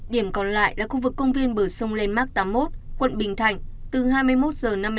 điểm còn lại là khu vực công viên bờ sông lên mạc tám mươi một quận bình thạnh